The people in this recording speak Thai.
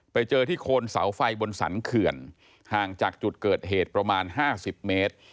ไปเจอที่โคนเสาไฟบนสรรเขื่อนห่างจากจุดเกิดเหตุประมาณ๕๐เมตร